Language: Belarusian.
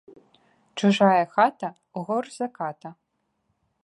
Чужая хата горш за ката